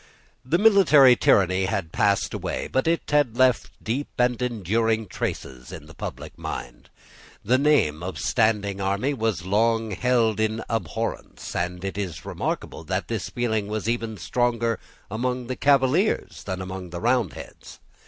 The military tyranny had passed away; but it had left deep and enduring traces in the public mind. The name of standing army was long held in abhorrence: and it is remarkable that this feeling was even stronger among the Cavaliers than among the Roundheads.